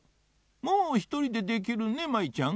もうひとりでできるね舞ちゃん。